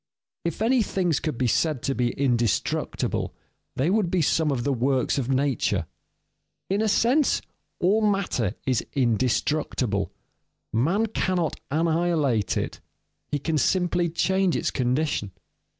_ If any things could be said to be indestructible, they would be some of the works of nature. In a sense, all matter is indestructible. Man cannot annihilate it, he can simply change its condition.